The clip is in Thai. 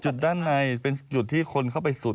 ด้านในเป็นจุดที่คนเข้าไปสุด